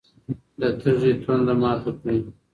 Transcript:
د تږي تنده ماته کړئ.